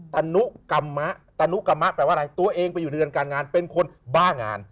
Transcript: ตนุกรรมมะตนุกรรมะแปลว่าอะไรตัวเองไปอยู่ในเรือนการงานเป็นคนบ้างาน